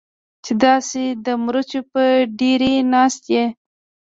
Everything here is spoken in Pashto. چې داسې د مرچو په ډېرۍ ناسته یې.